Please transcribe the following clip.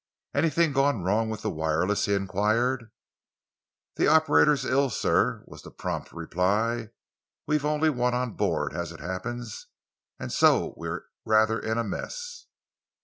"Anything gone wrong with the wireless?" he enquired. "The operator's ill, sir," was the prompt reply. "We've only one on board, as it happens, so we are rather in a mess."